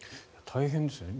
大変ですね。